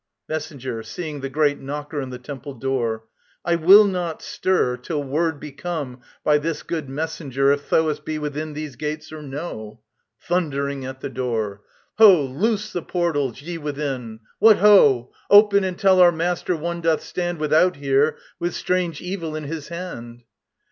MESSENGER (seeing the great knocker on the temple door.) I will not stir Till word be come by this good messenger If Thoas be within these gates or no. [thundering at the door.] Ho, loose the portals! Ye within! What ho! Open, and tell our master one doth stand Without here, with strange evil in his hand.